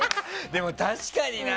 でも、確かにな。